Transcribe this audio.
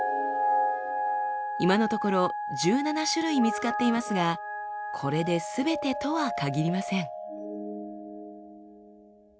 今のところ１７種類見つかっていますがこれですべてとはかぎりません。